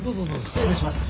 失礼いたします。